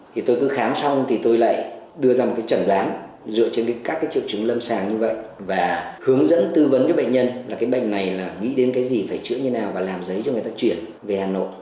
thì tôi cứ khám xong thì tôi lại đưa ra một cái trần đoán dựa trên các cái triệu chứng lâm sàng như vậy và hướng dẫn tư vấn cho bệnh nhân là cái bệnh này là nghĩ đến cái gì phải chữa như nào và làm giấy cho người ta chuyển về hà nội